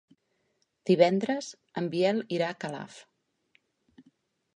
Divendres en Biel irà a Calaf.